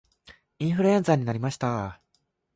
インフルエンザになりました